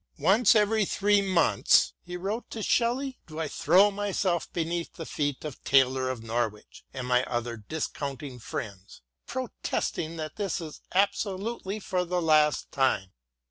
" Once every three months," he wrote to Shelley, "do I throw myself beneath the feet of Taylor of Norwich and my other discounting friends, protesting that this is absolutely for the last time.